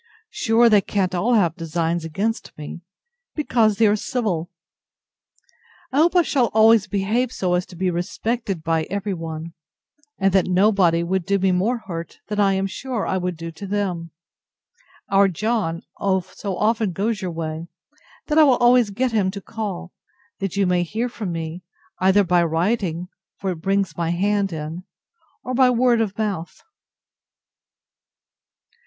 Sure they can't all have designs against me, because they are civil! I hope I shall always behave so as to be respected by every one; and that nobody would do me more hurt than I am sure I would do them. Our John so often goes your way, that I will always get him to call, that you may hear from me, either by writing, (for it brings my hand in,) or by word of mouth.